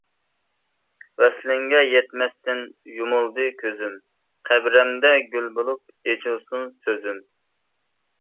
ۋەسلىڭگە يەتمەستىن يۇمۇلدى كۆزۈم، قەبرەمدە گۈل بولۇپ ئېچىلسۇن سۆزۈم.